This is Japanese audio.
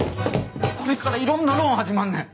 これからいろんなローン始まんねん。